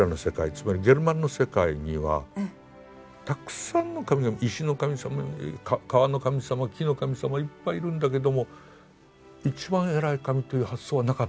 つまりゲルマンの世界にはたくさんの神が石の神様川の神様木の神様いっぱいいるんだけども一番偉い神という発想はなかったんです。